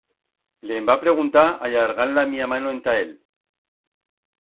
Le'n va preguntar allargand la mía mano enta él.